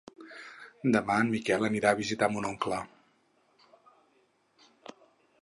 Demà en Miquel anirà a visitar mon oncle.